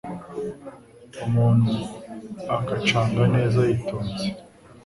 umuntu akacanga neza yitonze,